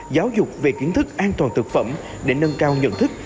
giáo dục về kiến thức an toàn thực phẩm để nâng cao nhận thức